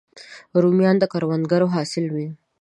رومیان د کروندګرو حاصل وي